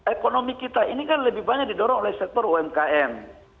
ekonomi kita ini kan lebih banyak didorong oleh sektor umkm